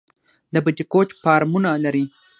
د بټي کوټ فارمونه لري